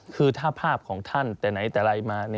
คือถ้าภาพของท่านแต่ไหนแต่ไรมา